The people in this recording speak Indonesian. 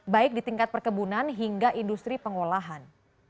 baik di tingkat perkebunan hingga industri pengolahan